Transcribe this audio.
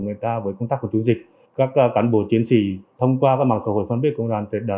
người ta với công tác chống dịch các cán bộ chiến sĩ thông qua mạng xã hội phân biệt công an đã